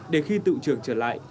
để khi tự trưởng trở lại